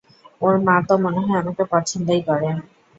ওর মা তো মনেহয় আমাকে পছন্দই করে।